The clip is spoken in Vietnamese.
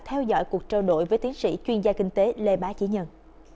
theo dõi cuộc trao đổi với tiến sĩ chuyên gia kinh tế lê bá chí nhân